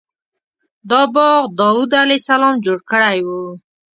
دا باغ داود علیه السلام جوړ کړی و.